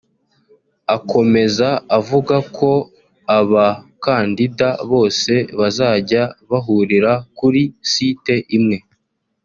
Akomeza avuga ko abakandida bose bazajya bahurira kuri site imwe